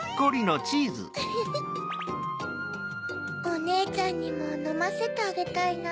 おねえちゃんにものませてあげたいな。